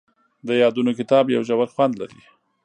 د یادونو کتاب یو ژور خوند لري.